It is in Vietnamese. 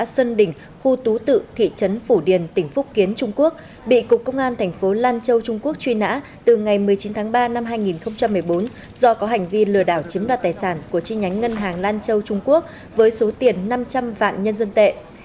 công an phủ điền tỉnh phúc kiến trung quốc bị cục công an thành phố lan châu trung quốc truy nã từ ngày một mươi chín tháng ba năm hai nghìn một mươi bốn do có hành vi lừa đảo chiếm đoạt tài sản của chi nhánh ngân hàng lan châu trung quốc với số tiền năm trăm linh vạn nhân dân tệ